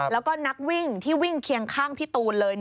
แล้วก็นักวิ่งที่วิ่งเคียงข้างพี่ตูนเลย